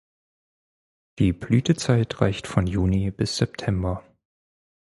Die Blütezeit reicht von Juni bis September.